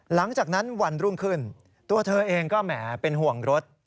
หลังจากนั้นวันรุ่งขึ้นตัวเธอเองก็แหมเป็นห่วงรถ